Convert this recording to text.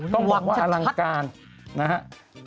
ต้องบอกว่าอลังการนะฮะ